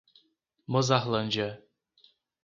Mozarlândia